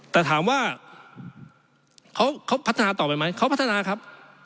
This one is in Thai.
แต่ถามว่าเขาพัฒนาต่อไปไหมเขาพัฒนาครับ